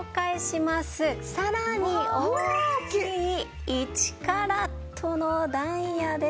さらに大きい１カラットのダイヤです。